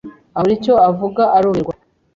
abura icyo avugaarumirwa